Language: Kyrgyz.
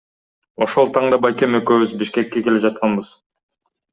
Ошол таңда байкем экөөбүз Бишкекке келе жатканбыз.